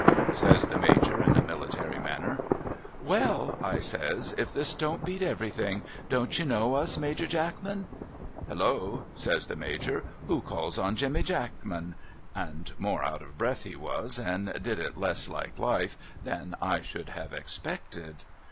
says the Major in a military manner. ' Well !' I says, ' if this don't beat everything ! Don't you know us Major Jackman ?'' Halloa !' .says the Major, ' Who calls on Jemmy Jackman ?' (and more out of breath he was, and did it less like life than I should have expected.)